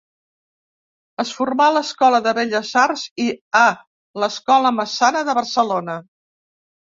Es formà a l’Escola de Belles Arts i a l’Escola Massana, de Barcelona.